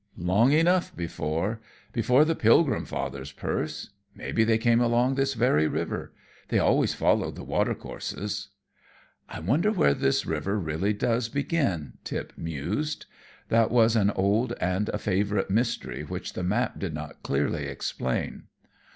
"Long enough before. Before the Pilgrim Fathers, Perce. Maybe they came along this very river. They always followed the watercourses." "I wonder where this river really does begin?" Tip mused. That was an old and a favorite mystery which the map did not clearly explain.